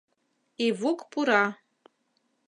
Ивук пура.